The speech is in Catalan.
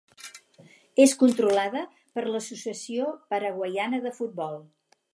És controlada per l'Associació Paraguaiana de Futbol.